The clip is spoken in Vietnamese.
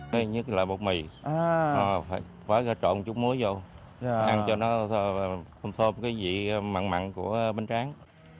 thứ nhất là bột mì quá trộn chút muối vô ăn cho nó thơm thơm cái vị mặn mặn của bánh tráng